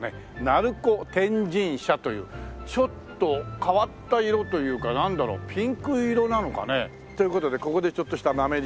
成子天神社というちょっと変わった色というかなんだろうピンク色なのかね？という事でここでちょっとした豆辞典。